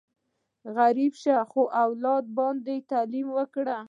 غریب شه، خو اولاد باندې دې تعلیم وکړه!